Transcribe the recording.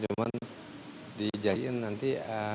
cuman dijahitin nanti